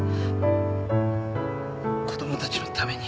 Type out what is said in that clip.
子供たちのために。